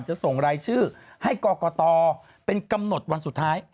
จะส่งรายชื่อให้กรกตเป็นกำหนดวันสุดท้าย